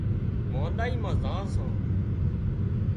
مانۮائي مان زان سان